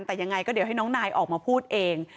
แต่ยังไงก็เดี๋ยวให้น้องนายออกมาพูดเอง